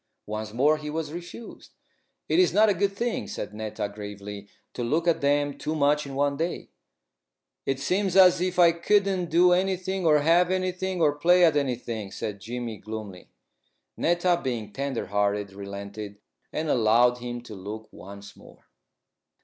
Once more he was refused. "It is not a good thing," said Netta, gravely, "to look at them too much in one day." "It seems as if I couldn't do anything or have anything, or play at anything," said Jimmy, gloomily. Netta, being tender hearted, relented, and allowed him to look once more.